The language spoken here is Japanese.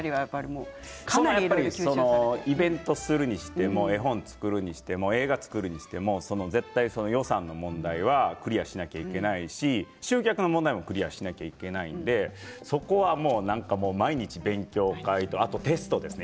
イベントするにしても絵本を作るにしても映画を作るにしても絶対に予算の問題はクリアしなくちゃいけないし集客の問題もクリアしなくちゃいけないのでそこは、なんか毎日勉強会とあとテストですね